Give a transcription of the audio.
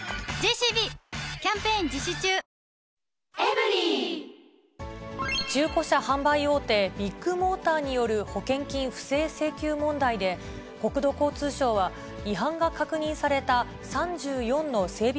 「トータルＶクリーム」中古車販売大手ビッグモーターによる保険金不正請求問題で、国土交通省は違反が確認された３４の整備